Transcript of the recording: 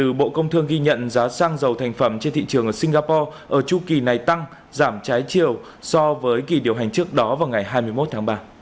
dữ liệu cập nhật từ bộ công thương ghi nhận giá xăng dầu thành phẩm trên thị trường singapore ờ chu kỳ này ngay tăng giảm trái chiều so với kỳ điều hành trước đó ờ chu kỳ này ngay tăng giảm trái chiều so với kỳ điều hành trước đó ờ